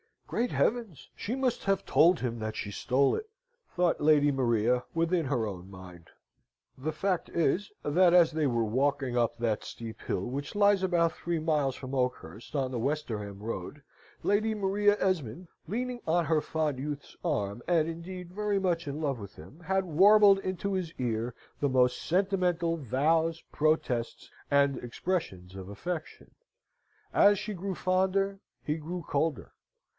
"Great heavens! she must have told him that she stole it!" thought Lady Maria within her own mind. The fact is, that, as they were walking up that steep hill which lies about three miles from Oakhurst, on the Westerham road, Lady Maria Esmond, leaning on her fond youth's arm, and indeed very much in love with him, had warbled into his ear the most sentimental vows, protests, and expressions of affection. As she grew fonder, he grew colder.